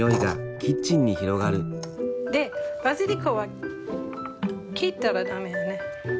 バジリコは切ったら駄目よね。